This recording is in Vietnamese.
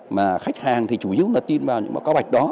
mà khách hàng thì chủ yếu là tin vào những báo cáo bạch đó